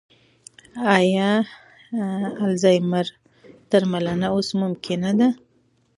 ایا د الزایمر درملنه اوس ممکنه ده؟